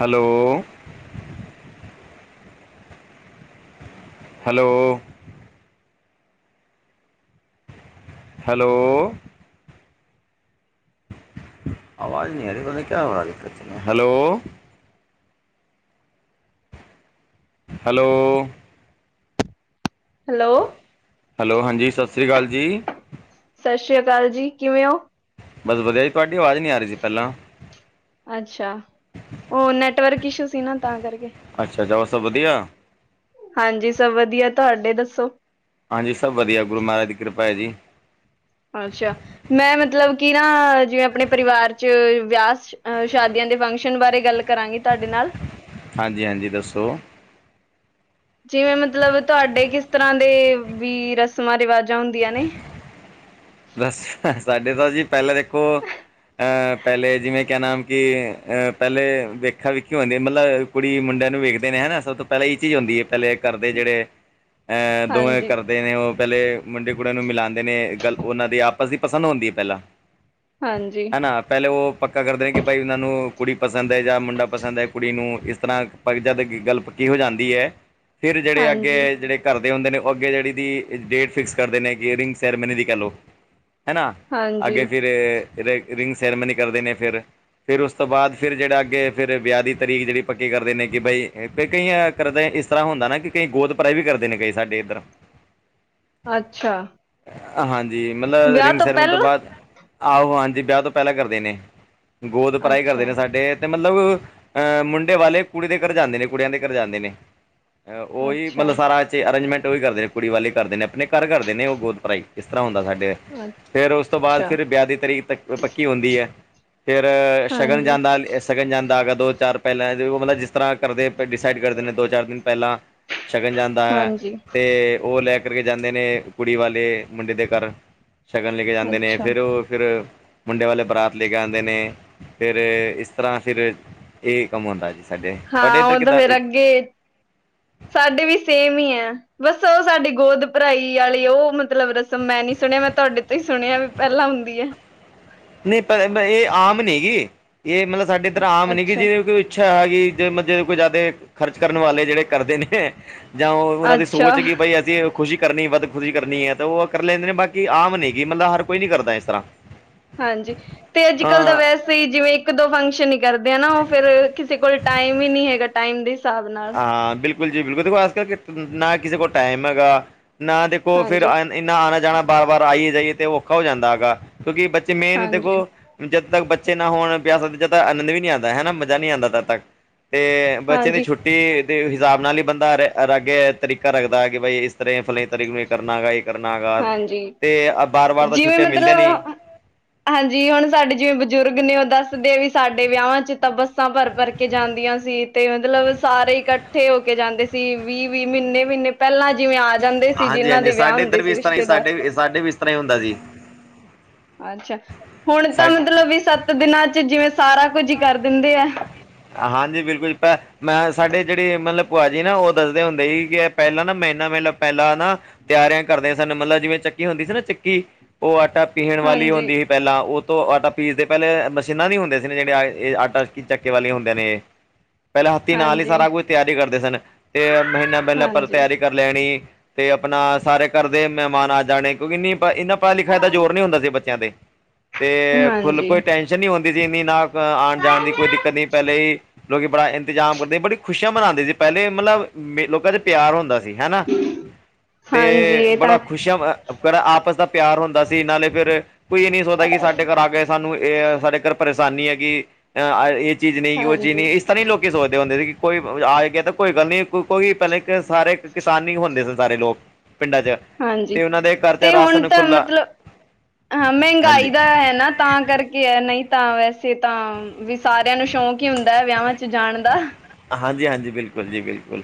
Hello hello hello ਆਵਾਜ਼ ਨਹੀਂ ਆ ਰਹੀ ਕਿਆ ਹੋ ਹੈਲੋ ਹੈਲੋ ਹੈਲੋ ਹੈਲੋ ਹਾਂਜੀ ਸਤਿ ਸ਼੍ਰੀ ਅਕਾਲ ਜੀ ਸਤਿ ਸ੍ਰੀ ਅਕਾਲ ਜੀ ਕਿਵੇਂ ਹੋ ਬਸ ਵਧੀਆ ਜੀ ਤੁਹਾਡੀ ਆਵਾਜ਼ ਨ ਨੀ ਆ ਰਹੀ ਸੀ ਪਹਿਲਾ। ਅੱਛਾ ਉਹ ਨੈਟਵਰਕ ਇਸ਼ੂ ਸੀ ਨਾ ਤਾਂ ਕਰਕੇ। ਅੱਛਾ ਹੋਰ ਸਭ ਵਧੀਆ। ਹਾਂਜੀ ਸਭ ਵਧੀਆ ਤੁਹਾਡੇ ਦੱਸੋ। ਹਾਂਜੀ ਸਭ ਵਧੀਆ ਗੁਰੂ ਮਹਾਰਾਜ ਦੀ ਕਿਰਪਾ ਹੈ ਜੀ। ਅੱਛਾ ਮੈਂ ਮਤਲਬ ਕਿ ਨਾ ਜਿਵੇਂ ਆਪਣੇ ਪਰਿਵਾਰ ਚ ਵਿਆਹ ਅਹ ਸ਼ਾਦੀਆਂ ਦੇ ਫੰਕਸ਼ਨ ਬਾਰੇ ਗੱਲ ਕਰਾਂਗੀ ਤੁਹਾਡੇ ਨਾਲ। ਹਾਂਜੀ-ਹਾਂਜੀ ਦੱਸੋ। ਜਿਵੇਂ ਮਤਲਬ ਤੁਹਾਡੇ ਕਿਸ ਤਰ੍ਹਾਂ ਦੇ ਵੀ ਰਸਮਾਂ ਰਿਵਾਜਾਂ ਹੁੰਦੀਆਂ ਨੇ। ਬਸ ਸਾਡੇ ਤਾਂ ਜੀ ਪਹਿਲਾਂ ਦੇਖੋ ਅਹ ਪਹਿਲੇ ਜਿਵੇਂ ਕਹਿ ਨਾਮ ਕਿ ਅ ਪਹਿਲੇ ਵੇਖਾ-ਵੇਖੀ ਹੁੰਦੀ ਮਤਲਬ ਕੁੜੀ ਮੁੰਡਿਆਂ ਨੂੰ ਵੇਖਦੇ ਨੇ ਹਨਾ ਸਭ ਤੋ ਪਹਿਲਾਂ ਇਹ ਚੀਜ਼ ਹੁੰਦੀ ਹੈ ਪਹਿਲੇ ਕਰਦੇ ਜਿਹੜੇ ਅ ਦੋਵੇਂ ਹਾਂਜੀ ਕਰਦੇ ਨੇ ਉਹ ਪਹਿਲੇ ਮੁੰਡੇ ਕੁੜਿਆਂ ਨੂੰ ਮਿਲਾਉਂਦੇ ਨੇ ਗੱਲ ਉਹਨਾਂ ਦੇ ਆਪਸ ਵਿੱ ਪਸੰਦ ਹੁੰਦੀ ਹੈ ਪਹਿਲਾਂ। ਹਾਂਜੀ ਹੈ ਨਾ ਪਹਿਲੇ ਉਹ ਪੱਕਾ ਕਰਦੇ ਕਿ ਭਾਈ ਉਹਨਾਂ ਨੂੰ ਕੁੜੀ ਪਸੰਦ ਹੈ ਜਾਂ ਮੁੰਡਾ ਪਸੰਦ ਹੈ ਕੁੜੀ ਨੂੰ ਇਸ ਤਰ੍ਹਾਂ [unintelligible] ਜਦ ਗੱਲ ਪੱਕੀ ਹੋ ਜਾਂਦੀ ਹੈ ਫਿਰ ਜਿਹੜੇ ਅੱਗੇ ਹਾਂਜੀ ਜਿਹੜੇ ਘਰਦੇ ਹੁੰਦੇ ਨੇ ਉਹ ਅੱਗੇ ਜਿਹੜੀ ਦੀ ਡੇਟ ਫਿਕਸ ਕਰਦੇ ਨੇ ਕਿ ਰਿੰਗ ਸੈਰੇਮਨੀ ਦੀ ਕਹਿ ਲੋ। ਹੈਨਾ ਹਾਂਜੀ ਅੱਗੇ ਫਿਰ ਰ ਰਿੰਗ ਸੈਰੇਮਨੀ ਕਰਦੇ ਨੇ ਫਿਰ। ਫਿਰ ਉਸ ਤੋਂ ਬਾਦ ਫਿਰ ਜਿਹੜਾ ਅੱਗੇ ਫਿਰ ਵਿਆਹ ਦੀ ਤਰੀਕ ਜਿਹੜੀ ਪੱਕੀ ਕਰਦੇ ਨੇ ਕਿ ਬਈ ਕਈਆਂ ਕਰਦੇ ਇਸ ਤਰ੍ਹਾਂ ਹੁੰਦਾ ਨਾ ਕਿ ਕਈ ਗੋਦਪਰਾਈ ਵੀ ਕਰਦੇ ਨੇ ਕਈ ਸਾਡੇ ਇੱਧਰ। ਅੱਛਾ ਹਾਂਜੀ ਮਤਲਬ ਵਿਆਹ ਰਿੰਗ ਸੈਰੇਮਨੀ ਤੋਂ ਪਹਿਲਾਂ ਬਾਦ ਆਹੋ ਹਾਂਜੀ ਵਿਆਹ ਤੋਂ ਪਹਿਲਾਂ ਕਰਦੇ ਨੇ, ਗੋਦ ਪਰਹੀ ਅੱਛਾ ਕਰਦੇ ਨੇ ਸਾਡੇ ਤੇ ਮਤਲਬ ਅਹ ਮੁੰਡੇ ਵਾਲੇ ਕੁੜੀ ਦੇ ਘਰ ਜਾਂਦੇ ਨੇ ਕੁੜੀਆਂ ਦੇ ਘਰ ਜਾਂਦੇ ਨੇ। ਉਹੀ ਅੱਛਾ ਮਤਲਬ ਸਾਰਾ ਅਰੇਂਜਮੈਂਟ ਉਹੀ ਕਰਦੇ ਨੇ ਕੁੜੀ ਵਾਲੇ ਕਰਦੇ ਨੇ ਆਪਣੇ ਘਰ ਕਰਦੇ ਨੇ ਉਹ ਗੋਦਪਰਾਈ। ਇਸ ਤਰ੍ਹਾਂ ਹੁੰਦਾ ਸਾਡੇ ਫਿਰ ਉਸ ਤੋਂ ਬਾਦ ਅੱਛਾ ਫਿਰ ਵਿਆਹ ਦੀ ਤਰੀਕ ਤ ਪੱਕੀ ਹੁੰਦੀ ਹੈ। ਫੇਰ ਸ਼ਗਨ ਹਾਂਜੀ ਜਾਂਦਾ ਸ਼ਗਨ ਜਾਂਦਾ ਆਗਾ ਦੋ-ਚਾਰ ਪਹਿਲਾਂ ਮਤਲਬ ਜਿਸ ਤਰ੍ਹਾਂ ਕਰਦੇ ਡਿਸਾਈਡ ਕਰਦੇ ਨੇ ਦੋ-ਚਾਰ ਦਿਨ ਪਹਿਲਾਂ ਸ਼ਗਨ ਜਾਂਦਾ ਹੈ ਹਾਂਜੀ ਤੇ ਉਹ ਲੈ ਕੇ ਕਰਕੇ ਜਾਂਦੇ ਨੇ ਕੁੜੀ ਵਾਲੇ ਮੁੰਡੇ ਦੇ ਘਰ। ਸ਼ਗਨ ਲੈ ਕੇ ਜਾਂਦੇ ਨੇ ਅੱਛਾ ਫਿਰ ਉਹ ਫਿਰ ਮੁੰਡੇ ਵਾਲੇ ਬਰਾਤ ਲੈ ਕੇ ਆਉਂਦੇ ਨੇ ਫਿਰ ਇਸ ਤਰ੍ਹਾਂ ਫਿਰ ਇਹ ਕੰਮ ਹੁੰਦਾ ਜੀ ਸਾਡੇ, ਤੁਹਾਡੇ ਹਾਂ ਇੱਧਰ ਉਹ ਕਿੱਦਾਂ [inaudible] ਸਾਡੇ ਵੀ ਸੇਮ ਹੀ ਹੈ। ਬਸ ਉਹ ਸਾਡੀ ਗੋਦ ਭਰਾਈ ਆਲੀ ਉਹ ਮਤਲਬ ਰਸਮ ਮੈਂ ਨੀ ਸੁਣਿਆ ਮੈਂ ਤੁਹਾਡੇ ਤੋਂ ਹੀ ਸੁਣਿਆ ਵੀ ਪਹਿਲਾਂ ਹੁੰਦੀ ਹੈ। ਨਹੀਂ ਇਹ ਆਮ ਨੀ ਗੀ, ਇਹ ਮਤਲਬ ਸਾਡੇ ਇੱਧਰ ਆਮ ਨੀ ਗੀ ਅੱਛਾ ਜਿਹਵੇਂ ਕੋ ਇੱਛਾ ਹੈ ਕਿ ਜੇਮ ਜੇ ਕੋਈ ਜਾਦੇ ਖਰਚ ਕਰਨ ਵਾਲੇ ਜਿਹੜੇ ਕਰਦੇ ਨੇ। ਜਾਂ ਉਹ ਉਹਨਾਂ ਦੀ ਅੱਛਾ ਸੋਚ ਕਿ ਬਈ ਅਸੀਂ ਖੁਸ਼ੀ ਕਰਨੀ ਵੱਧ ਖੁਸ਼ੀ ਕਰਨੀ ਹੈ ਤਾਂ ਉਹ ਕਰ ਲੈਂਦੇ ਨੇ ਬਾਕੀ ਆਮ ਨੇ ਗ ਮਤਲਬ ਹਰ ਕੋਈ ਨੀ ਕਰਦਾ ਇਸਰਾ। ਹਾਂਜੀ ਤੇ ਅੱਜ ਕੱਲ੍ਹ ਦਾ ਵੈਸ ਅਸੀਂ ਜਿਵੇਂ ਇੱਕ-ਦੋ ਫੰਕਸ਼ਨ ਹੀ ਕਰਦੇ ਹਾਂ ਨਾ ਉਹ ਫੇਰ ਕਿਸੇ ਕੋਲ ਟਾਈਮ ਹੀ ਨੀ ਹੈਗਾ। ਟਾਈਮ ਦੇ ਹਿਸਾਬ ਨਾਲ ਹਾਂ ਬਿਲਕੁਲ ਜੀ ਬਿਲਕੁਲ ਦੇਖੋ ਆਜ ਕੱਲ ਨਾ ਕਿਸੇ ਕੋ ਟਾਈਮ ਹੈਗਾ ਨਾ ਦੇਖੋ ਫਿਰ ਹਾਂਜੀ ਆ ਇੰਨਾ ਆਣਾ ਜਾਣਾ ਬਾਰ ਵਾਰ ਆਈਏ ਜਾਈਏ ਤੇ ਔਖਾ ਹੋ ਜਾਂਦਾ ਹੈਗਾ ਕਿਉਂਕਿ ਬੱਚੇ ਮੇਨ ਹਾਂਜੀ ਦੇਖੋ। ਜਦ ਤੱਕ ਬੱਚੇ ਨਾ ਹੋਣ ਪਿਆ ਸਕਦੇ ਜਦ ਤੱਕ ਆਨੰਦ ਵੀ ਨਹੀਂ ਆਉਂਦਾ ਹਨਾ ਮਜ਼ਾ ਨਹੀਂ ਆਂਦਾ ਤਦ ਤੱਕ ਤੇ ਬੱਚਿਆਂ ਦੀ ਹਾਂਜੀ ਛੁੱਟੀ ਤੇ ਦੇ ਹਿਸਾਬ ਨਾਲ ਹੀ ਬੰਦਾ ਅਗੇ ਤਰੀਕਾ ਰੱਖਦਾ ਕਿ ਬਾਈ ਇਸ ਤਰ੍ਹਾਂ ਫਲਾ ਤਰੀਕ ਨੂੰ ਇਹ ਕਰਨਾ ਹੈਗਾ ਬਈ ਕਰਨਾ ਹੈਗਾ ਹਾਂਜੀ ਤੇ ਬਾਰ ਬਾਰ ਤਾਂ ਜਿਵੇਂ ਛੁੱਟੀਆਂ ਮਿਲਦੀਆਂ ਨੀ। ਮਤਲਬ ਹਾਂਜੀ, ਹੁਣ ਸਾਡੇ ਜਿਵੇਂ ਬਜ਼ੁਰਗ ਨੇ ਉਹ ਦੱਸਦੇ ਵੀ ਸਾਡੇ ਵਿਆਹਵਾਂ ਚ ਤਾਂ ਬੱਸਾਂ ਭਰ ਭਰ ਕੇ ਜਾਂਦੀਆਂ ਸੀ। ਤੇ ਮਤਲਬ ਸਾਰੇ ਇਕੱਠੇ ਹੋ ਕੇ ਜਾਂਦੇ ਸੀ ਵੀਹ ਵੀਹ ਮਹੀਨੇ ਮਹੀਨੇ ਪਹਿਲਾਂ ਜਿਵੇਂ ਆ ਜਾਂਦੇ ਸੀ, ਜਿਨਾਂ ਦੇ ਵਿਆਹ ਹੁੰਦੇ ਸੀ ਤਾਂ ਹੀ ਰਿਸ਼ਤੇਦਾਰ ਸਾਡੇ ਵੀ ਸਾਡੇ ਵੀ ਇਸ ਤਰ੍ਹਾਂ ਹੀ ਹੁੰਦਾ ਸੀ। ਅੱਛਾ ਹੁਣ ਤਾਂ ਸਾ ਮਤਲਬ ਵੀ ਸੱਤ ਦਿਨਾਂ ਚ ਜਿਵੇਂ ਸਾਰਾ ਕੁੱਝ ਹੀ ਕਰ ਦਿੰਦੇ ਹੈ। ਹਾਂਜੀ ਬਿਲਕੁਲ ਪੈ ਮੈਂ ਸਾਡੇ ਜਿਹੜੇ ਮਤਲਬ ਭੂਆ ਜੀ ਨਾ ਉਹ ਦੱਸਦੇ ਹੁੰਦੇ ਸੀ ਕਿ ਪਹਿਲਾਂ ਨਾ ਬਈ ਮਹੀਨਾ ਮਹੀਨਾ ਪਹਿਲਾਂ ਨਾ ਤਿਆਰੀਆਂ ਕਰਦੇ ਸਨ, ਮਤਲਬ ਜਿਵੇਂ ਚੱਕੀ ਹੁੰਦੀ ਸੀ ਨਾ ਚੱਕੀ ਉਹ ਆਟਾ ਪੀਣ ਵਾਲੀ ਹਾਂਜੀ, ਹੁੰਦੀ ਸੀ ਪਹਿਲਾਂ ਉਹ ਤੋਂ ਆਟਾ ਪੀਸਦੇ ਪਹਿਲੇ ਮਸ਼ੀਨਾਂ ਨੀ ਹੁੰਦੇ ਸੀ ਜਿਹੜੇ ਇਹ ਆਟਾ ਹੁੰਦੇ ਨੇ ਇਹ। ਪਹਿਲਾਂ ਹੱਥੀ ਨਾਲ ਹੀ ਹਾਂਜੀ, ਸਾਰਾ ਕੁੱਝ ਤਿਆਰੀ ਕਰਦੇ ਸਨ ਤੇ ਮਹੀਨਾ ਮਹੀਨਾ ਪਹਿਲੇ ਪਰ ਹਾਂਜੀ। ਤਿਆਰੀ ਕਰ ਲੈਣੀ, ਤੇ ਆਪਣਾ ਸਾਰੇ ਘਰ ਦੇ ਮਹਿਮਾਨ ਆ ਜਾਣੇ, ਕਿਉਂਕਿ ਨੀ ਇਹਨਾ ਪੜਾਈ ਲਿਖਾਈ ਦਾ ਜ਼ੋਰ ਨੀ ਹੁੰਦਾ ਸੀ ਬੱਚਿਆਂ ਤੇ, ਤੇ ਫੁਲ ਹਾਂਜੀ, ਕੋਈ ਟੈਸ਼ਨ ਨਹੀਂ ਹੁੰਦੀ ਸੀ ਇੰਨੀ ਨਾ ਆਉਣ ਜਾਣ ਦੀ ਕੋਈ ਦਿੱਕਤ ਨਹੀਂ ਪਹਿਲੇ ਹੀ ਲੋਕੀ ਬੜਾ ਇੰਤਜ਼ਾਮ ਕਰਦੇ ਸੀ ਬੜੀ ਖੁਸ਼ੀਆਂ ਮਨਾਉਂਦੇ ਸੀ ਪਹਿਲੇ ਮਤਲਬ ਲੋਕਾਂ ਚ ਪਿਆਰ ਹੁੰਦਾ ਸੀ ਹਨਾ। ਹਾਂਜੀ ਅਤੇ ਇਹ ਬੜਾ ਤਾਂ ਖੁਸ਼ੀਆਂ ਬੜਾ ਆ ਆਪਸ ਦਾ ਪਿਆਰ ਹੁੰਦਾ ਸੀ ਨਾਲੈ ਫਿਰ ਕੋਈ ਨੀ ਸੋਚਦਾ ਕਿ ਸਾਡੇ ਘਰ ਆ ਗਏ ਸਾਨੂੰ ਇਹ ਆ ਸਾਡੇ ਘਰ ਪਰੇਸ਼ਾਨੀ ਹੈਗੀ ਅ ਆ ਇਹ ਚੀਜ਼ ਨਹੀਂ ਹੈਗੀ ਉਹ ਚੀਜ਼ ਹਾਂਜੀ, ਨਹੀਂ ਇਸ ਤਰ੍ਹਾਂ ਨਹੀਂ ਲੋਕੀ ਸੋਚਦੇ ਹੁੰਦੇ ਸੀ ਕਿ ਕੋਈ ਆ ਗਿਆ ਤਾਂ ਕੋਈ ਗੱਲ ਨਹੀਂ ਕੋਈ ਪਹਿਲ ਸਾਰੇ ਕਿਸਾਨੀ ਹੀ ਹੁੰਦੇ ਸੀ ਸਾਰੇ ਲੋਕ ਪਿੰਡਾਂ 'ਚ ਹਾਂਜੀ, ਤੇ ਉਹਨਾਂ ਦੇ ਘਰ 'ਚ ਤੇ ਹੁਣ ਰਾਸ਼ਨ ਤਾਂ ਖੁੱਲਾ ਮਤਲਬ ਹਾਂ ਮਹਿੰਗਾਈ ਹਾਂਜੀ ਦਾ ਹੈ ਨਾ ਤਾਂ ਕਰਕੇ ਹੈ ਨਹੀਂ ਤਾਂ ਵੈਸੇ ਤਾਂ ਵੀ ਸਾਰਿਆਂ ਨੂੰ ਸ਼ੌਂਕ ਹੀ ਹੁੰਦਾ ਹੈ, ਵਿਆਹਵਾਂ ਚ ਜਾਣ ਦਾ। ਹਾਂਜੀ ਹਾਂਜੀ ਬਿਲਕੁਲ ਜੀ ਬਿਲਕੁਲ,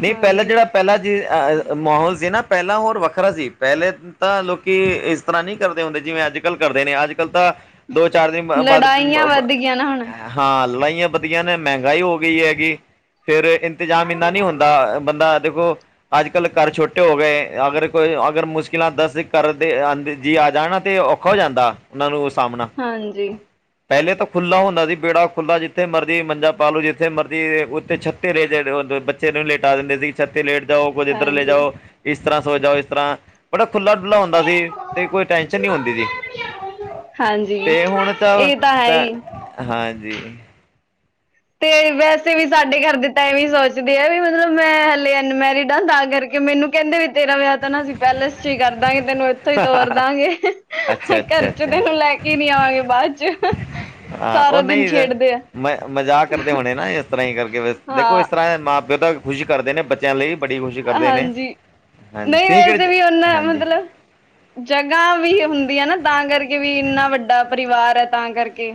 ਨਹੀਂ ਪਹਿਲਾਂ ਹਾਂਜੀ ਜਿਹੜਾ ਪਹਿਲਾਂ ਜੀ ਆਅ ਮਾਹੌਲ ਸੀ ਨਾ ਪਹਿਲਾਂ ਹੋਰ ਵੱਖਰਾ ਸੀ ਪਹਿਲੇ ਤਾਂ ਲੋਕੀ ਇਸ ਤਰ੍ਹਾਂ ਨਹੀਂ ਕਰਦੇ ਹੁੰਦੇ ਜਿਵੇਂ ਅੱਜ ਕੱਲ੍ਹ ਕਰਦੇ ਨੇ ਅੱਜ ਕੱਲ ਤਾਂ ਦੋ ਚਾਰ ਦਿਨ ਬਾ ਬਾਅਦ ਕਿਆ ਨਾ ਹੁਣ ਹਾਂ ਲੜਾਈਆਂ ਵਧੀਆ ਨੇ, ਮਹਿੰਗਾਈ ਹੋ ਗਈ ਹੈਗੀ ਫੇਰ ਇੰਤਜਾਮ ਇੰਨਾ ਨੀ ਹੁੰਦਾ ਬੰਦਾ ਦੇਖੋ ਅੱਜ ਕੱਲ੍ਹ ਘਰ ਛੋਟੇ ਹੋ ਗਏ ਅਗਰ ਕੋਈ ਅਗਰ ਮੁਸ਼ਕਿਲਾਂ ਦਸ ਘਰ ਦੇ ਅੰਦਰ ਜੀਅ ਆ ਜਾਨ ਤੇ ਉਹ ਹੋ ਜਾਂਦਾ ਅਹਮੋਂ ਸਾਹਮਣਾ ਹਾਂਜੀ। ਪਹਿਲੇ ਤਾਂ ਖੁੱਲਾ ਹੁੰਦਾ ਸੀ ਵਿਹੜਾ ਖੁੱਲ੍ਹਾ ਜਿੱਥੇ ਮਰਜ਼ੀ ਮੰਜਾ ਪਾ ਲਓ, ਜਿੱਥੇ ਮਰਜ਼ੀ ਉੱਥੇ ਛੱਤੇ ਲ ਬੱਚੇ ਨੂੰ ਲੇਟਾ ਦਿੰਦੇ ਸੀ। ਕੁਝ ਇਥੇ ਲੇਟ ਜਾਓ ਕੁਝ ਇਧਰ ਲੇ ਹਾਂਜੀ ਜਾਓ ਇਸ ਤਰ੍ਹਾਂ ਸੋ ਜਾਓ ਇਸ ਤਰ੍ਹਾਂ ਬੜਾ ਖੁੱਲਾ ਡੁੱਲਾ ਹੁੰਦਾ ਸੀ, ਤੇ ਕੋਈ ਟੈਨਸ਼ਨ ਨਹੀਂ ਹੁੰਦੀ ਸੀ। ਹਾਂਜੀ ਤੇ ਹੁਣ ਤਾਂ ਇਹ ਹੈ ਤਾ ਹੀ ਹਾਂਜੀ। ਤੇ ਵੈਸੇ ਵੀ ਸਾਡੇ ਘਰ ਦੇ ਤਾਂ ਐਵੇ ਸੋਚਦੇ ਆ ਵੀ ਮਤਲਬ ਮੈਂ ਹਲੇ ਅਨਮੈਰਿਡ ਆ ਤਾਂ ਕਰਕੇ ਮੈਨੂੰ ਕਹਿੰਦੇ ਵੀ ਤੇਰਾ ਵਿਆਹ ਤਾਂ ਨਾ ਅਸੀਂ ਪੈਲਿਸ ਚ ਹੀ ਕਰ ਦਾ ਗੇ ਤੈਨੂੰ ਇੱਥੋਂ ਹੀ ਤੋਰ ਦਾਂਗੇ, ਅੱਛਾ ਘਰ ਅੱਛਾ ਚ ਅੱਛਾ ਤੈਨੂੰ ਲੈ ਕੇ ਹੀ ਨੀ ਆਵਾਂਗੇ ਬਾਅਦ ਚ ਹਾਂ ਉਹ ਸਾਰਾ ਦਿਨ ਨਹੀਂ ਛੇੜਦੇ ਐ। ਮ ਮਜ਼ਾਕ ਕਰਦੇ ਹੋਣੇ ਨਾ ਇਸ ਤਰ੍ਹਾਂ ਹੀ ਕਰਕੇ ਦੇਖੋ ਹਾਂ ਇਸ ਤਰ੍ਹਾਂ ਮਾਂ ਪਿਓ ਤਾਂ ਖੁਸ਼ੀ ਕਰਦੇ ਨੇ ਬੱਚੇ ਲਈ ਬੜੀ ਖੁਸ਼ੀ ਕਰਦੇ ਨੇ, ਹਾਂਜੀ ਹਾਂਜੀ ਨਹੀਂ ਠੀਕ ਐ ਵੈਸੇ ਜੀ ਵੀ ਉਹਨਾਂ ਹਾਂਜੀ ਮਤਲਬ ਜਗ੍ਹਾ ਵੀ ਹੁੰਦੀ ਆਂ ਨਾ ਤਾਂ ਕਰਕੇ ਵੀ ਇੰਨਾ ਵੱਡਾ ਪਰਿਵਾਰ ਐ ਤਾਂ ਕਰਕੇ।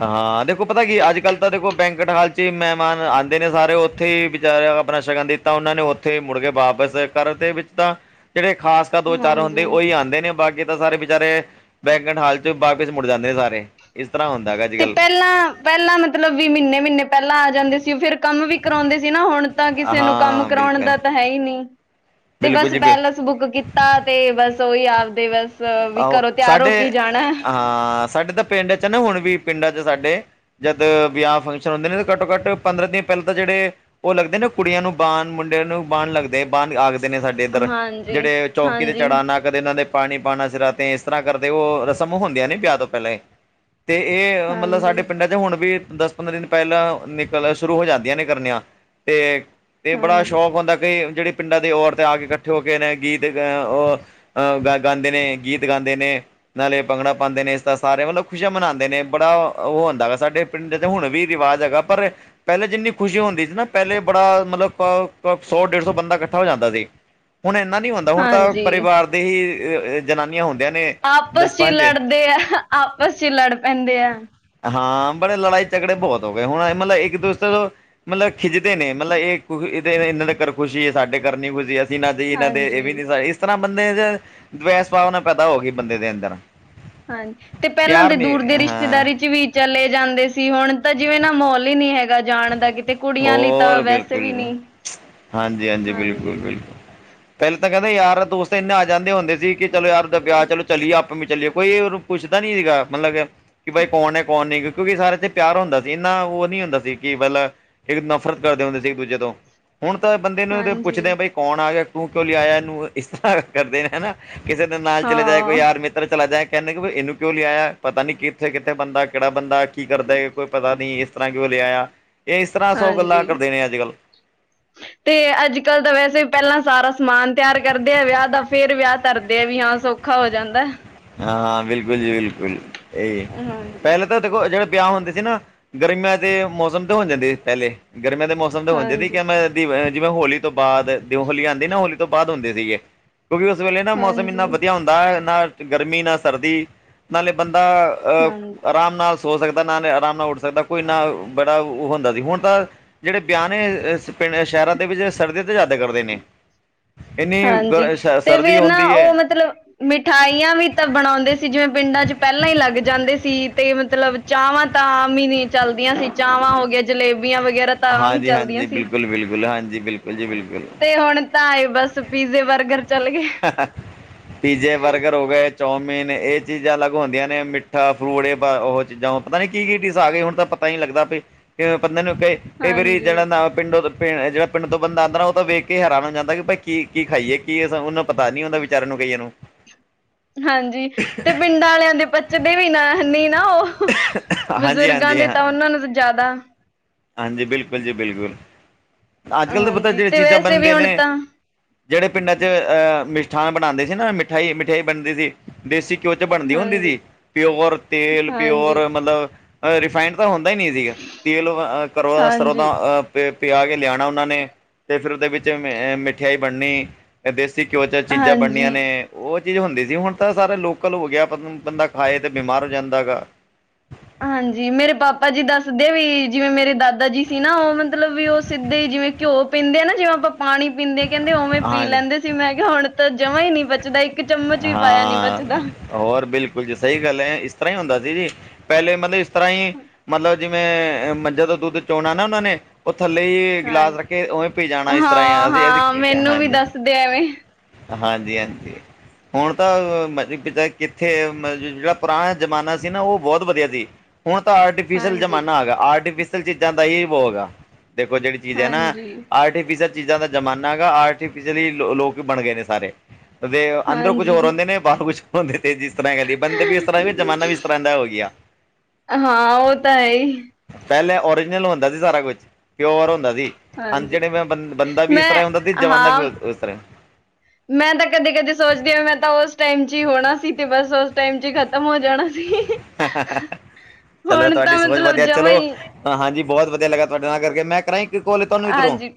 ਹਾਂ ਦੇਖੋ ਪਤਾ ਕੀ ਅੱਜ-ਕੱਲ੍ਹ ਤਾਂ ਦੇਖੋ ਬੈਂਕਟ ਹਾਲ ਚ ਹੀ ਮਹਿਮਾਨ ਆਦੇ ਨੇ ਸਾਰੇ, ਉੱਥੇ ਜਾ ਰਿਹਾ ਆਪਣਾ ਸ਼ਗਨ ਦਿਤਾ ਉਹਨਾਂ ਨੇ ਉੱਥੇ ਮੁੜ ਕੇ ਵਾਪਸ ਘਰ ਦੇ ਵਿੱਚ ਤਾਂ ਜਿਹੜੇ ਖਾਸ ਦੋ ਚਾਰ ਹੁੰਦੇ ਹਾਂਜੀ ਉਹੀ ਆਦੇ ਨੇ ਬਾਗੇ ਤਾਂ ਸਾਰੇ ਬਚਾਰੇ ਬੈਂਕਟ ਹਾਲ ਚ ਬਾਗ ਚ ਮੁੜ ਜਾਂਦੇ ਨੇ, ਸਾਰੇ ਇਸ ਤਰ੍ਹਾਂ ਹੁੰਦ ਤੇ ਪਹਿਲਾਂ-ਪਹਿਲਾਂ ਮਤਲਬ ਵੀ ਮੀਨੇ ਮੀਨੇ ਪਹਿਲਾਂ ਆ ਜਾਂਦੇ ਸੀ ਉਹ ਫੇਰ ਕੰਮ ਵੀ ਕਰਾਦੇ ਸੀ ਨਾ ਹੁਣ ਤਾਂ ਕਿਸੇ ਨੂੰ ਕੰਮ ਹਾਂ ਕਰਾਣ ਬਿਲਕੁਲ ਦਾ ਤਾਂ ਹੈ ਹੀ ਨੀ ਤੇ ਬਿਲਕੁਲ ਬਸ ਜੀ ਬਿਲ- ਪਹਿਲਾਂ ਬੁੱਕ ਕੀਤਾ ਤੇ ਬਸ ਓਹੀ ਆਪਦੇ ਬਸ ਵੀ ਆਹੋ ਘਰੋਂ ਤਿਆਰ ਹੋ ਸਾਡੇ ਕੇ ਜਾਣਾ। ਹਾਂ ਸਾਡੇ ਤਾਂ ਪਿੰਡ ਚ ਨਾ ਹੁਣ ਵੀ ਪਿੰਡਾਂ ਚ ਸਾਡੇ ਜਦ ਵਿਆਹ ਫੰਕਸ਼ਨ ਹੁੰਦੇ ਨੇ ਘੱਟੋ-ਘੱਟ ਪੰਦਰਾਂ ਦਿਨ ਪਹਿਲਾਂ ਤਾਂ ਜਿਹੜੇ ਉਹ ਲੱਗਦੇ ਨਾ ਕੁੜੀਆਂ ਨੂੰ ਬਾਣ ਮੁੰਡਿਆਂ ਨੂੰ ਬਾਣ ਲੱਗਦੇ ਬਾਣ ਆਖ ਨੇ ਸਾਡੇ ਇੱਧਰ, ਹਾਂਜੀ ਜਿਹੜੇ ਚੌਕੀ ਤੇ ਹਾਂਜੀ ਚੜਾਨਾ ਕਦੇ ਇਹਨਾਂ ਦੇ ਪਾਣੀ ਪਾਣਾ ਸਿਰਾ ਤੇ ਇਸ ਤਰ੍ਹਾਂ ਕਰਦੇ ਉਹ ਰਸਮ ਹੁੰਦੀਆਂ ਨੇ ਵਿਆਹ ਤੋਂ ਪਹਿਲਾਂ ਈ, ਤੇ ਇਹ ਮਤਲਬ ਹਾਂਜੀ ਸਾਡੇ ਪਿੰਡਾਂ ਚ ਹੁਣ ਵੀ ਦਸ ਪੰਦਰਾਂ ਦਿਨ ਪਹਿਲਾਂ ਨਿਕਲ ਸ਼ੁਰੂ ਹੋ ਜਾਂਦੀਆਂ ਨੇ ਕਰਨੀਆਂ ਤੇ ਤੇ ਬੜਾ ਹਾਂਜੀ ਸ਼ੌਕ ਹੁੰਦਾ ਕਈ ਜਿਹੜੇ ਪਿੰਡਾਂ ਦੇ ਔਰਤ ਆ ਕੇ ਇਕੱਠੇ ਹੋ ਕੇ ਨੇ ਗੀਤ ਅਹ ਉਹ ਅਹ ਗਾਂਦੇ ਨੇ, ਗੀਤ ਗਾਦੇ ਨੇ, ਨਾਲੇ ਭੰਗੜਾ ਪਾਦੇ ਨੇ ਇਸਦਾ ਸਾਰੇ ਮਤਲਬ ਖੁਸ਼ੀਆਂ ਮਨਾਦੇ ਨੇ ਬੜਾ ਉਹ ਹੁੰਦਾ ਗਾ ਸਾਡੇ ਪਿੰਡ ਤਾ ਹੁਣ ਵੀ ਰਿਵਾਜ਼ ਹੈਗਾ ਪਰ ਪਹਿਲੇ ਜਿੰਨੀ ਖੁਸ਼ੀ ਹੁੰਦੀ ਸੀ ਨਾ ਪਹਿਲੇ ਬੜਾ ਮਤਲਬ ਸੌ ਡੇਢ ਸੌ ਬੰਦਾ ਇਕੱਠਾ ਹੋ ਜਾਂਦਾ ਸੀ। ਹੁਣ ਇਨਾ ਨੀ ਹੁੰਦਾ ਹੁਣ ਤਾਂ ਹਾਂਜੀ ਪਰਿਵਾਰ ਦੇ ਹੀ ਜਨਾਨੀਆਂ ਹੁੰਦਿਆਂ ਨੇ, ਦਸ ਆਪਸ ਚ ਪੰਜ ਲੜਦੇ ਆ ਆਪਸ ਚ ਲੜ ਪੈਂਦੇ ਐ। ਹਾਂ ਬੜੇ ਲੜਾਈ ਝਗੜੇ ਬਹੁਤ ਹੋ ਗਏ ਹੁਣ ਮਤਲਬ ਇੱਕ ਦੂਸਰੇ ਤੋਂ ਮਤਲਬ ਖਿੱਚਦੇ ਨੇ ਮਤਲਬ ਇਹ ਇਹਦੇ ਇਹਨਾਂ ਦੇ ਘਰ ਖੁਸ਼ੀ ਐ ਸਾਡੇ ਘਰ ਨੀ ਖੁਸ਼ੀ ਜੀਨਾ ਜੀ ਇਹਨਾਂ ਦੇ ਇਹ ਵੀ ਹਾਂਜੀ ਨੀ ਇਸ ਤਰ੍ਹਾਂ ਬੰਦੇ ਦੇ ਦਵੈਸ ਭਾਵਨਾ ਪੈਦਾ ਹੋ ਗਈ ਬੰਦੇ ਦੇ ਅੰਦਰ ਹਾਂਜੀ ਤੇ ਪਹਿਲਾਂ ਪਿਆਰ ਦੇ ਨੀ ਦੂਰ ਦੇ ਹਾਂ ਰਿਸ਼ਤੇਦਾਰੀ ਚ ਵੀ ਚਲੇ ਜਾਂਦੇ ਸੀ ਹੁਣ ਤਾਂ ਜਿਵੇਂ ਨਾ ਮਾਹੌਲ ਹੀ ਨੀ ਹੈਗਾ ਜਾਣ ਦਾ ਕਿਤੇ ਕੁੜੀਆਂ ਲਈ ਤਾਂ ਹੋਰ ਵੈਸੇ ਬਿਲਕੁਲ, ਵੀ ਨਹੀਂ ਹਾਂਜੀ-ਹਾਂਜੀ ਹਾਂਜੀ, ਬਿਲਕੁਲ-ਬਿਲਕੁਲ ਪਹਿਲੇ ਤਾਂ ਕਹਿੰਦੇ ਯਾਰ ਦੋਸਤ ਇੰਨੇ ਆ ਜਾਂਦੇ ਹੁੰਦੇ ਸੀ ਕਿ ਚਲੋ ਯਾਰ ਵਿਆਹ ਚਲੋ ਚਲੀਏ ਚੱਲੀਏ ਕੋਈ ਪੁੱਛਦਾ ਨੀ ਸੀਗਾ ਮਤਲਬ ਕਿ ਬਾਈ ਕੌਣ ਐ ਕੌਣ ਨਹੀਂ ਕਿਉਂਕਿ ਸਾਰੇ ਤੇ ਪਿਆਰ ਹੁੰਦਾ ਸੀ ਨਾ ਉਹ ਨੀ ਹੁੰਦਾ ਸੀ। ਕਿ ਮਤਲਬ ਇੱਕ ਨਫ਼ਰਤ ਕਰਦੇ ਹੁੰਦੇ ਸੀ ਇੱਕ ਦੂਜੇ ਤੋਂ ਹੁਣ ਤਾਂ ਬੰਦੇ ਨੂੰ ਹਾਂਜੀ, ਪੁੱਛਦੇ ਆ ਬਈ ਕੌਣ ਆ ਗਿਆ ਤੂੰ ਕਿਉਂ ਲਿਆਇਆ ਇਹਨੂੰ ਇਸ ਤਰ੍ਹਾਂ ਕਰਦੇ ਨੇ ਹਨਾ ਕਿਸੇ ਦੇ ਨਾਲ ਚਲੇ ਜਾਏ ਕੋਈ ਹਾਂ, ਯਾਰ ਮ ਚਲਾ ਜਾਏ ਕਹਿੰਦੇ ਕਿ ਵੀ ਇਹਨੂੰ ਕਿਉਂ ਲਿਆਇ ਪਤਾ ਕਿੱਥੇ ਕਿੱਥੇ ਬੰਦਾ ਕਿਹੜਾ ਬੰਦਾ ਕੀ ਕਰਦਾ ਕੋਈ ਪਤਾ ਨਹੀਂ ਇਸ ਤਰ੍ਹਾਂ ਕਿਓ ਲਿਆਇਆ ਇਹ ਇਸ ਤਰ੍ਹਾਂ ਸੋ ਗੱਲਾਂ ਹਾਂਜੀ। ਕਰਦੇ ਨੇ ਅੱਜ-ਕੱਲ੍ਹ [inaudible] ਤੇ ਅੱਜ-ਕੱਲ ਤਾਂ ਵੈਸੇ ਵੀ ਪਹਿਲਾਂ ਸਾਰਾ ਸਮਾਨ ਤਿਆਰ ਕਰਦੇ ਆ ਵਿਆਹ ਦਾ ਫੇਰ ਵਿਆਹ ਧਰਦੇ ਆ ਵੀ ਹਾਂ ਸ ਔਖਾ ਹੋ ਜਾਂਦਾ ਹਾਂ ਹਾਂ ਬਿਲਕੁਲ ਜੀ ਬਿਲਕੁਲ ਇਹੀ ਹਾਂਜੀ, ਪਹਿਲੇ ਤਾਂ ਦੇਖ ਜਿਹੜੇ ਵਿਆਹ ਹੁੰਦੇ ਸੀ ਨਾ ਗਰਮੀਆਂ ਦੇ ਮੌਸਮ ਤੇ ਹੋਣ ਜਾਂਦੇ ਸੀ ਪਹਿਲੇ ਗਰਮੀਆਂ ਦੇ ਮੌਸਮ ਹੁੰਦੇ ਸੀ ਹਾਂਜੀ, ਕਿ ਮੈਂ ਦੀ ਜਿਵੇਂ ਹੋਲੀ ਤੋਂ ਬਾਅਦ ਹੋਲੀ ਆਉਂਦੀ ਨਾ ਹੋਲੀ ਤੋਂ ਬਾਅਦ ਹੁੰਦੇ ਸੀਗੇ ਕਿਉਂਕਿ ਉਸ ਵੇਲੇ ਨਾ ਮੌਸਮ ਇੰਨਾ ਹਾਂਜੀ, ਵਧੀਆ ਹੁੰਦਾ ਹੈ ਨਾ ਗਰਮੀ ਨਾ ਸਰਦੀ ਨਾਲੇ ਬੰਦਾ ਹਾਂ, ਅਹ ਆਰਾਮ ਨਾਲ ਸੋ ਸਕਦਾ ਨਾ ਆਰਾਮ ਨਾਲ ਉੱਠ ਸਕਦਾ ਕੋਈ ਨਾ ਬੜਾ ਉਹ ਹੁੰਦਾ ਸੀ ਹੁਣ ਤਾਂ ਜਿਹੜ [unintelligible] ਨੇ ਪਿੰ ਸ਼ਹਿਰਾਂ ਦੇ ਵਿੱਚ [unintelligible] ਕਰਦੇ ਨੇ ਇੰਨੀ ਹਾਂਜੀ ਗਰ- ਸ- ਤੇ ਸਰਦੀ ਫੇਰ ਨਾ ਹੁੰਦੀ ਹੈ ਉਹ ਮਤਲਬ ਮਿਠਾਈਆਂ ਵੀ ਤਾਂ ਬਣਾਉਂਦੇ ਸੀ ਜਿਵੇਂ ਪਿੰਡਾਂ ਚ ਪਹਿਲਾਂ ਹੀ ਲੱਗ ਜਾਂਦੇ ਸੀ ਤੇ ਮਤਲਬ ਚਾਵਾਂ ਤਾਂ ਆਮ ਹੀ ਨੀ ਚਲਦੀਆਂ ਸੀ ਚਾਵਾਂ ਹੋਗ ਜਲੇਬੀਆਂ ਵਗੈਰਾ ਤਾਂ ਓਵੀ ਹਾਂਜੀ ਚਲਦੀਆਂ ਹਾਂਜੀ ਸੀ ਬਿਲਕੁਲ ਬਿਲਕੁਲ ਹਾਂਜੀ ਬਿਲਕੁਲ ਜੀ ਬਿਲਕੁਲ ਤੇ ਹੁਣ ਤਾਂ ਏ ਬਸ ਪੀਜ਼ੇ ਬਰਗਰ ਚੱਲ ਗਏ ਪੀਜ਼ੇ ਬਰਗਰ ਹੋ ਗਏ ਚੌਮਿਨ ਇਹ ਚੀਜ਼ਾਂ ਅਲੱਗ ਹੁੰਦੀਆਂ ਨੇ ਮਿੱਠਾ ਫਰੂਟ ਇਹ ਉਹ ਚੀਜ਼ਾਂ ਹ ਪਤਾ ਨੀ ਕੀ ਕੀ ਚੀਜ਼ ਆ ਗਈ ਹੁਣ ਤਾਂ ਪਤਾਂ ਹੀ ਲੱਗਦਾ ਵੀ ਕਿ ਬੰਦੇ ਨੂੰ ਕ ਕਈ ਵਾਰੀ [unintelligible] ਦਾ ਹਾਂਜੀ। ਆਪ ਪਿੰਡੋ ਜਿਹੜਾ ਪਿੰਡ ਤੋਂ ਬੰਦਾ ਆਉਂਦਾ ਉਹ ਤਾਂ ਵੇਖ ਕੇ ਹੈਰਾਨ ਹੋ ਜਾਂਦਾ ਕਿ ਭਾਈ ਕੀ ਕੀ ਖਾਈਏ ਕੀ ਅ ਉਹਨੂੰ ਪਤਾ ਨੀ ਹੁੰਦਾ ਵਿਚਾਰਿਆਂ ਨੂੰ ਕਈਆਂ ਨੂੰ ਹਾਂਜੀ ਤੇ ਪਿੰਡਾਂ ਵਾਲਿਆਂ ਦੇ ਪੱਚਦੇ ਵੀ ਨਾ ਨ ਨਾ ਉਹ ਹਾਂਜੀ ਬਜ਼ੁਰਗਾਂ ਹਾਂਜੀ ਦੇ ਹਾਂ ਤਾਂ ਉਹਨਾਂ ਨੂੰ ਜ਼ਿਆਦਾ। ਹਾਂਜੀ ਬਿਲਕੁਲ ਜੀ ਬਿਲਕੁਲ। ਅੱਜ ਕੱਲ੍ਹ ਤਾਂ ਪਤਾ ਹਾਂਜੀ ਜਿਹੜੇ ਤੇ ਚੀਜ਼ਾਂ ਵੈਸੇ ਵੀ ਬਣਦੇ ਹੁਣ ਨੇ ਤਾਂ ਜਿਹੜੇ ਪਿੰਡਾਂ ਚ ਮਿਸ਼ਠਾਨ ਬਣਾਉਂਦੇ ਸੀ ਨਾ ਮਿਠਾਈ, ਮਿਠਾਈ ਬਣਦੀ ਸੀ। ਦੇਸੀ ਘਿਓ ਚ ਬਣਦੀ ਹੁੰਦੀ ਹਾਂਜੀ ਸੀ ਪਿਓਰ ਤੇਲ ਹਾਂਜੀ ਪਿਓਰ ਮਤਲਬ ਰਿਫਾਇੰਡ ਤਾਂ ਹੁੰਦਾ ਹੀ ਨਹੀਂ ਸੀਗਾ ਤੇਲ ਘਰੋ ਦਾ ਸਰੋਂ ਦਾ ਹਾਂਜੀ ਪਿਆ ਕੇ ਲਿਆਣਾ। ਉਹਨਾਂ ਨੇ ਤੇ ਫਿਰ ਉਹਦੇ ਵਿੱਚ ਮਿਠਿਆਈ ਬਣਨੀ। ਇਹ ਦੇਸੀ ਘਿਓ 'ਚ ਚੀਜ਼ਾਂ ਬਣਨੀਆਂ ਹਾਂਜੀ ਨੇ। ਉਹ ਚੀਜ਼ ਹੁੰਦੀ ਸੀ ਹੁਣ ਤਾਂ ਸਾਰੇ ਲੋਕਲ ਹੋ ਗਿਆ ਬੰਦਾ ਖਾਏ ਤਾਂ ਬਿਮਾਰ ਹੋ ਜਾਂਦਾ ਗਾ। ਹਾਂਜੀ ਮੇਰੇ ਪਾਪਾ ਜੀ ਦੱਸਦੇ ਵੀ ਜਿਵੇਂ ਮੇਰੇ ਦਾਦਾ ਜੀ ਸੀ ਨਾ ਉਹ ਮਤਲਬ ਵੀ ਉਹ ਸਿੱਧੇ ਜਿਵੇਂ! ਘਿਓ ਪੀਂਦੇ ਆ ਨਾ ਜਿਵੇਂ ਆਪਾਂ ਪਾਣੀ ਪੀਂਦੇ ਕਹਿੰਦੇ ਉਵੇਂ ਪੀ ਹਾਂਜੀ ਲੈਂਦੇ ਸੀ ਮੈਂ ਕਿਹਾ ਹੁਣ ਤਾਂ ਜਮ੍ਹਾਂ ਹੀ ਨਹੀਂ ਪਚਦਾ। ਹਾਂ ਹੋਰ ਬਿਲਕੁਲ ਜੀ ਸਹੀ ਗੱਲ ਹੈ ਇਸ ਤਰ੍ਹਾਂ ਹੀ ਹੁੰਦਾ ਸੀ ਜੀ ਪਹਿਲੇ ਮਤਲਬ ਇਸ ਤਰ੍ਹਾਂ ਹੀ ਮਤਲਬ ਜਿਵੇਂ ਮੱਝਾਂ ਤੋਂ ਦੁੱਧ ਚੋਣਾ ਨਾ ਉਹਨਾਂ ਨੇ ਉਹ ਥੱਲੇ ਹੀ ਹਾਂ ਗਿਲਾਸ ਰੱਖ ਕੇ ਉਵੇਂ ਪੀ ਜਾਣਾ ਇਸ ਤਰ੍ਹਾਂ ਹੀ ਹਾਂ ਅਸੀ ਹਾਂ ਇਹ ਮੈਨੂੰ ਵੀ ਹਾਂਜੀ ਦੱਸਦੇ ਐਵੇਂ ਹਾਂਜੀ ਹਾਂਜੀ। ਹੁਣ ਤਾਂ ਕਿੱਥੇ ਜਿਹੜਾ ਪੁਰਾਣਾ ਜ਼ਮਾਨਾ ਸੀ ਨਾ ਉਹ ਬਹੁਤ ਵਧੀਆ ਸੀ। ਹੁਣ ਤਾਂ ਆਰਟੀਫਿਸ਼ਅਲ ਹਾਂਜੀ ਜ਼ਮਾਨਾ ਆ ਗਿਆ ਆਰਟੀਫਿਸ਼ਅਲ ਚੀਜ਼ਾਂ ਦਾ ਹੀ ਵੋ ਹੈਗਾ ਦੇਖੋ ਜਿਹੜੀ ਚੀਜ਼ ਹੈ ਨਾ ਹਾਂਜੀ ਆਰਟੀਫਿਸ਼ਅਲ ਚੀਜ਼ਾਂ ਦਾ ਜ਼ਮਾਨਾ ਹੈਗਾ ਆਰਟੀਫਿਸ਼ਲੀ ਲੋਕ ਬਣ ਗਏ ਨੇ ਸਾਰੇ। ਅੰਦਰੋਂ ਕੁਝ ਹਾਂਜੀ, ਹੋਰ ਹੁੰਦੇ ਨੇ ਬਾਹਰ ਕੁਛ ਹੋਰ ਹੁੰਦੇ ਨੇ। ਤੇ ਜਿਸ ਤਰ੍ਹਾਂ ਕਹਿ ਲਈਏ ਬੰਦੇ ਵੀ ਇਸ ਤਰ੍ਹਾਂ ਜ਼ਮਾਨਾ ਵੀ ਇਸ ਤਰ੍ਹਾਂ ਦਾ ਹੋ ਗਿਆ। ਹਾਂ ਉਹ ਤਾਂ ਹੈ ਹੀ, ਪਹਿਲੇ ਓਰੀਜਨਲ ਹੁੰਦਾ ਸੀ ਸਾਰਾ ਕੁਛ ਪਿਓਰ ਹੁੰਦਾ ਸੀ। ਹ ਹਾਂਜੀ ਜਣੇ ਬੰਦਾ ਵੀ ਇਸ ਤਰ੍ਹਾਂ ਮੈਂ ਹੀ ਹੁੰਦਾ ਤੇ ਜਵਾਨਾ ਹਾਂ ਵੀ ਇਸ ਤਰ੍ਹਾਂ ਮੈਂ ਤਾਂ ਕਦੇ ਕਦੇ ਸੋਚਦੀ ਮੈਂ ਤਾਂ ਉਸ ਟਾਈਮ ਚ ਹੋਣਾ ਸੀ ਤੇ ਬਸ ਉਸ ਟਾਈਮ ਚ ਹੀ ਖ਼। ਤਮ ਹੋ ਜਾਣਾ ਸੀ। ਚਲੋ ਹੁਣ ਤਾਂ ਤੁਹਾਡੀ ਸੋਚ ਮਤਲਬ ਵਧੀਆ ਜਮਾ ਚਲੋ। ਹੀ ਹਾਂ ਹਾਂਜੀ ਬਹੁਤ ਵਧੀਆ ਲੱਗਾ ਤੁਹਾਡੇ ਨਾਲ ਕਰਕੇ ਮੈਂ ਕਰਾਂ [unintelligible] ਤੁਹਾਨੂੰ ਇੱਧਰੋਂ ਹਾਂਜੀ,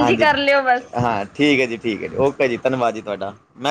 ਹਾਂਜੀ ਕਰ ਲਿਓ ਬਸ। ਹਾਂ। ਠੀਕ ਹੈ ਜੀ ਠੀਕ ਹੈ ਜੀ ਓਕੇ ਜੀ ਧੰਨਵਾਦ ਜੀ ਤੁਹਾਡਾ' ਮੈਂ